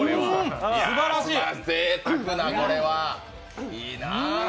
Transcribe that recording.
ぜいたくな、これは、いいなあ。